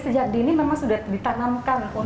jadi ini memang sudah ditanamkan untuk kembang mereka